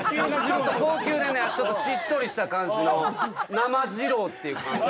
ちょっと高級なねちょっとしっとりした感じの生じろうっていう感じ。